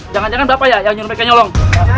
jangan jangan bapak ya yang nyuruh pakai nyolong